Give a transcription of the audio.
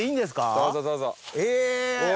どうぞどうぞ。